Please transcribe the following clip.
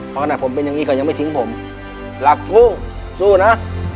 เพราะขณะผมเป็นอย่างนี้เขายังไม่ทิ้งผมรักกุ้งสู้นะ